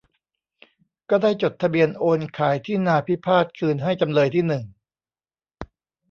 ก็ได้จดทะเบียนโอนขายที่นาพิพาทคืนให้จำเลยที่หนึ่ง